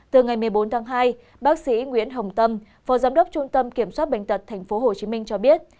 từ ngày một mươi bốn tháng hai bác sĩ nguyễn hồng tâm phó giám đốc trung tâm kiểm soát bệnh tật tp hcm cho biết